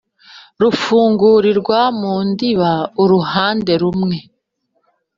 rifungurirwa mu ndiba uruhande rumwe.